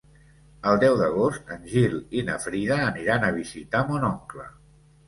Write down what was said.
El deu d'agost en Gil i na Frida aniran a visitar mon oncle.